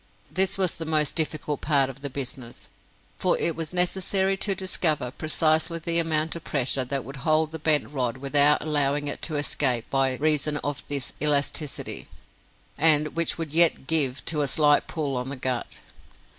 This was the most difficult part of the business, for it was necessary to discover precisely the amount of pressure that would hold the bent rod without allowing it to escape by reason of this elasticity, and which would yet "give" to a slight pull on the gut.